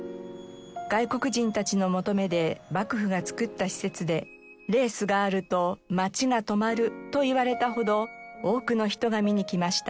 外国人たちの求めで幕府が造った施設でレースがあると「街が止まる」と言われたほど多くの人が見に来ました。